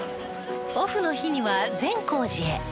オフの日には善光寺へ。